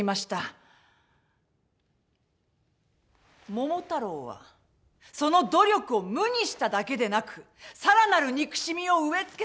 桃太郎はその努力を無にしただけでなく更なる憎しみを植え付けたのです。